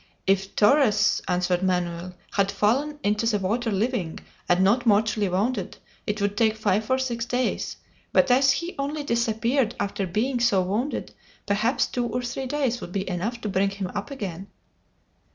"If Torres," answered Manoel, "had fallen into the water living, and not mortally wounded, it would take five or six days; but as he only disappeared after being so wounded, perhaps two or three days would be enough to bring him up again."